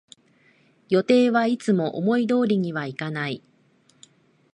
予定はいつも思い通りにいかない